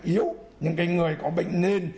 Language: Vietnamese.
yếu những người có bệnh nền